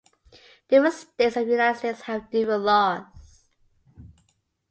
Different states of the United States have different laws.